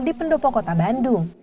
di pendopo kota bandung